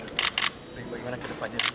setiap manusia itu kan tidak pernah yang salah